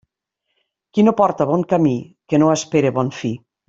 Qui no porta bon camí, que no espere bon fi.